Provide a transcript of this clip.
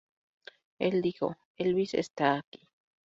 Él dijo, 'Elvis está aquí.